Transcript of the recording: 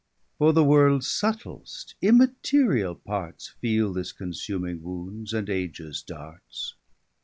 For the worlds subtilst immateriall parts Feele this consuming wound, and ages darts.